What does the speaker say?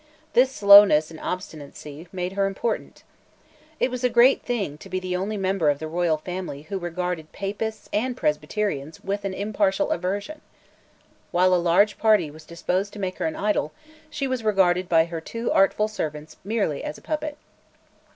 This slowness and obstinacy made her important. It was a great thing to be the only member of the Royal Family who regarded Papists and Presbyterians with an impartial aversion. While a large party was disposed to make her an idol, she was regarded by her two artful servants merely as a puppet.